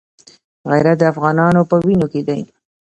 غیرت د افغانانو په وینو کې دی.